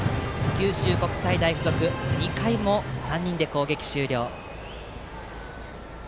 九州国際大付属、２回も３人で攻撃終了。